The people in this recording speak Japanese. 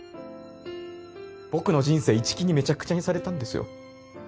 僕の人生一木にめちゃくちゃにされたんですよ。